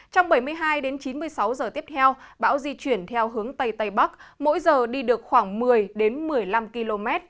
trong bảy mươi hai đến chín mươi sáu giờ tiếp theo bão di chuyển theo hướng tây tây bắc mỗi giờ đi được khoảng một mươi một mươi năm km